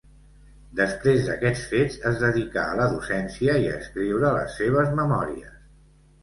Després d'aquests fets es dedicà a la docència i a escriure les seves memòries.